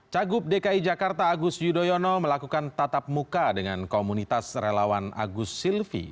cagup dki jakarta agus yudhoyono melakukan tatap muka dengan komunitas relawan agus silvi